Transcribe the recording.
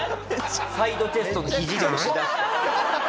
サイドチェストのひじで押し出して。